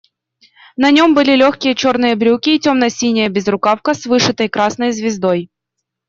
На нем были легкие черные брюки и темно-синяя безрукавка с вышитой красной звездой.